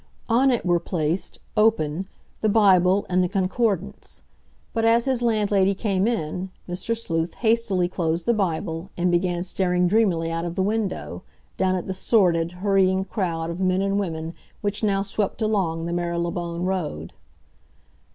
On it were placed, open, the Bible and the Concordance. But as his landlady came in, Mr. Sleuth hastily closed the Bible, and began staring dreamily out of the window, down at the sordid, hurrying crowd of men and women which now swept along the Marylebone Road.